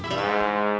kamu tau kum